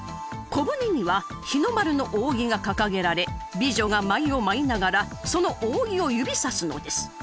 小舟には日の丸の扇が掲げられ美女が舞を舞いながらその扇を指さすのです。